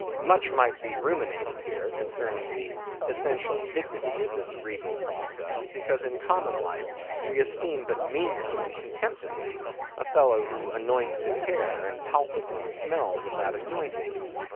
Much might be ruminated here, concerning the essential dignity of this regal process, because in common life we esteem but meanly and contemptibly a fellow who anoints his hair, and palpably smells of that anointing.